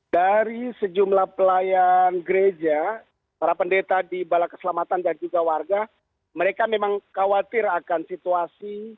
dari sejumlah pelayan gereja para pendeta di bala keselamatan dan juga warga mereka memang khawatir akan situasi